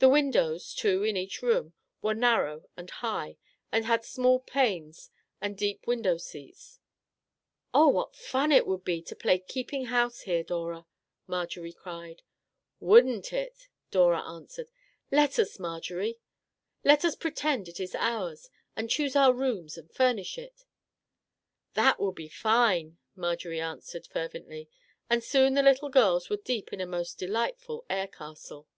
The windows — two in each room — were narrow and high, and had small panes and deep win dow seats. " Oh, what fun it would be to play keeping house here, Dora !" Marjorie cried. " Wouldn't it !" Dora answered. " Let us, Marjorie ! Let us pretend it is ours, and choose our rooms, and furnish it !"" That will be fine," Marjorie answered, fer vently, and soon the little girls were deep in a most delightful air castle.